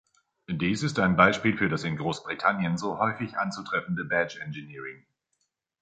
Dies ist ein Beispiel für das in Großbritannien so häufig anzutreffende Badge-Engineering.